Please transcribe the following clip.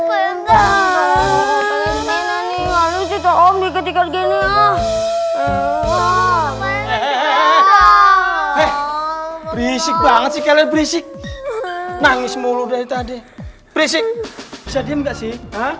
berisik banget sih kalian berisik nangis mulu dari tadi berisik bisa diem gak sih